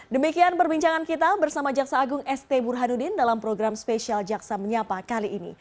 demikian perbincangan kita bersama jaksa agung st burhanuddin dalam program spesial jaksa menyapa kali ini